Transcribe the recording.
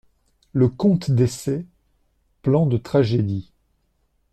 Le Comte d'Essex, plan de tragédie.